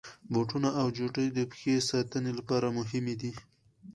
بوټونه او چوټي د پښې ساتني لپاره مهمي دي.